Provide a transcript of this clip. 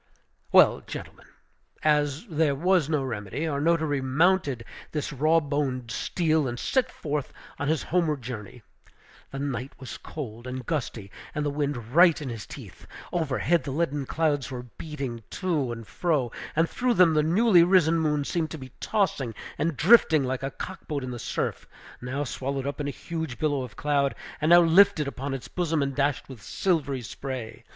Well, gentlemen, as there was no remedy, our notary mounted this raw boned steed and set forth upon his homeward journey. The night was cold and gusty, and the wind right in his teeth. Overhead the leaden clouds were beating to and fro, and through them the newly risen moon seemed to be tossing and drifting along like a cock boat in the surf; now swallowed up in a huge billow of cloud, and now lifted upon its bosom and dashed with silvery spray.